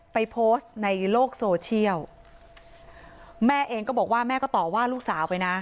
ไปโพสต์ในโลกโซเชียลแม่เองก็บอกว่าแม่ก็ต่อว่าลูกสาวไปนะ